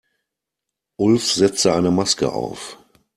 Ulf setzte eine Maske auf.